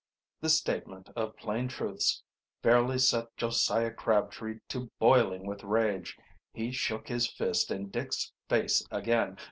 This statement of plain truths fairly set Josiah Crabtree to boiling with rage. He shook his fist in Dick's face again.